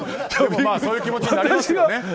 そういう気持ちになりますよね。